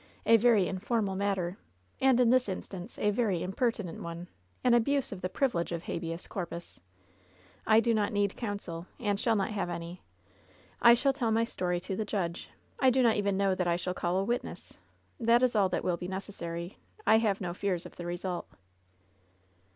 A very informal matter, and, in this instance, a very impertinent one — an abuse of the privilege of habeas corpus. I do not need counsel, and shall not have any. I shall tell my story to the judge. I do not even know that I shall call a witness. That is all that will be necessary. I have no fears of the result."